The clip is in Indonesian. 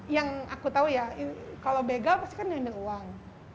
yang aku tahu ya kalau begal pasti kan ngambil uang